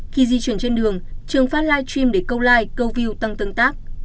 khi di chuyển trên đường trường phát live stream để câu like câu view tăng tương tác